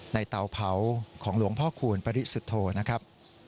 เตาเผาของหลวงพ่อคูณปริสุทธโธนะครับ